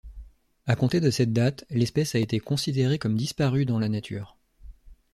À compter de cette date, l'espèce a été considérée comme disparue dans la nature.